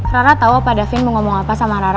rara tau opa davin mau ngomong apa sama rara